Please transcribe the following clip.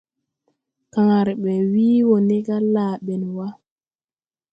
Kããre ɓɛ wii wo ne ga : Laa ben wa!